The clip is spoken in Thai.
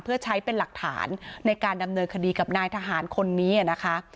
เพื่อใช้เป็นหลักฐานในการดำเนินคดีกับนายทหารคนนี้นะคะ